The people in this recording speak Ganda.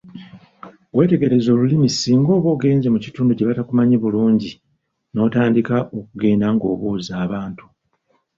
Weetegereze olumu singa oba ogenze mu kitundu gye batakumanyi bulungi n’otandika okugenda ng’obuuza abantu.